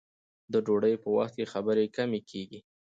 د ډوډۍ په وخت کې خبرې کمې کیږي.